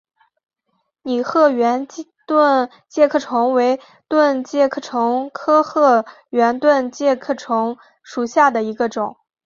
拟褐圆盾介壳虫为盾介壳虫科褐圆盾介壳虫属下的一个种。